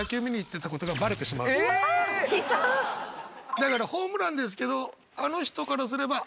だからホームランですけどあの人からすれば。